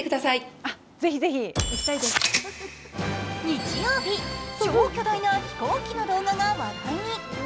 日曜日、超巨大な飛行機の動画が話題に！